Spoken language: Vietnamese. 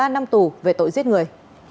một mươi ba năm tù về tội giết người